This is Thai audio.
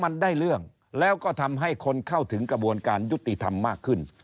แล้วก็ทำให้คนเข้าถึงกระบวนการยุติธรรมมากขึ้น